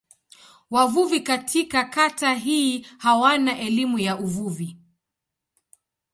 Wavuvi katika kata hii hawana elimu ya uvuvi.